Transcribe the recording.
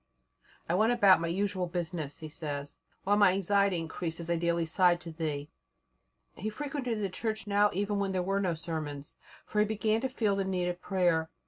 "I went about my usual business," he says, "while my anxiety increased as I daily sighed to Thee." He frequented the Church now even when there were no sermons, for he began to feel the need of prayer.